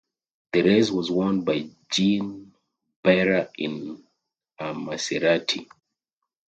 The race was won by Jean Behra in a Maserati.